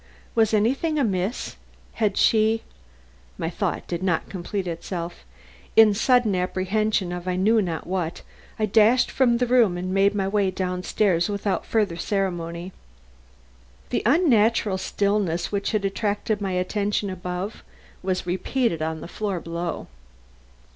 Was anything amiss? Had she My thought did not complete itself. In sudden apprehension of I knew not what, I dashed from the room and made my way down stairs without further ceremony. The unnatural stillness which had attracted my attention above was repeated on the floor below.